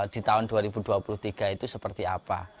di tahun dua ribu dua puluh tiga itu seperti apa